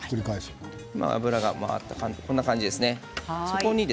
油が回って、こんな感じですね。